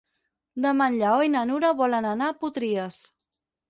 Demà en Lleó i na Nura volen anar a Potries.